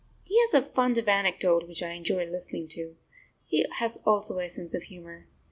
He has a fund of anecdote which I enjoy listening to. He has also a sense of humour.